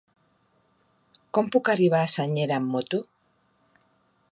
Com puc arribar a Senyera amb moto?